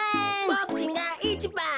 ボクちんがいちばん。